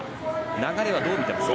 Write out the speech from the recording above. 流れはどう見てますか？